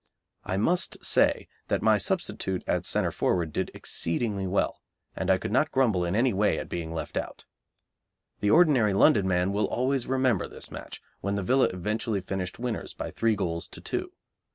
I must say that my substitute at centre forward did exceedingly well, and I could not grumble in any way at being left out. The ordinary London man will always remember this match, when the Villa eventually finished winners by three goals to two.